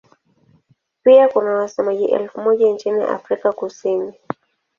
Pia kuna wasemaji elfu moja nchini Afrika Kusini.